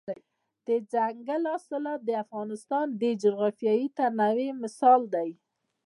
دځنګل حاصلات د افغانستان د جغرافیوي تنوع مثال دی.